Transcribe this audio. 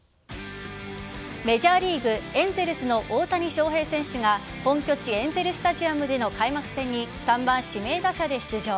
メジャーリーグエンゼルスの大谷翔平選手が本拠地エンゼルスタジアムでの開幕戦に３番・指名打者で出場。